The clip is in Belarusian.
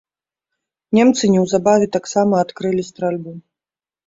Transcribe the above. Немцы неўзабаве таксама адкрылі стральбу.